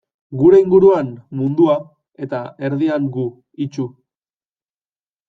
Gure inguruan, mundua, eta erdian gu, itsu.